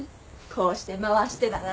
こうして回してだな。